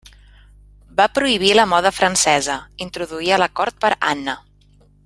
Va prohibir la moda francesa, introduïda a la cort per Anna.